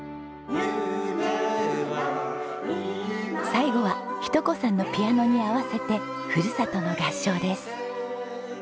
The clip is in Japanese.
最後は日登子さんのピアノに合わせて『ふるさと』の合唱です。